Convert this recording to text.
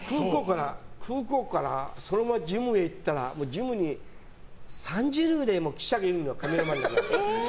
空港からそのままジムへ行ったらジムに３０人くらい記者がいるのよ。